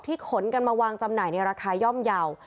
ขนกันมาวางจำหน่ายในราคาย่อมเยาว์